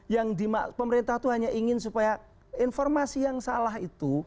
yang di pemerintah itu hanya ingin supaya informasi yang salah itu